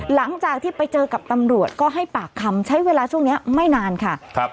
หลังจากที่ไปเจอกับตำรวจก็ให้ปากคำใช้เวลาช่วงนี้ไม่นานค่ะครับ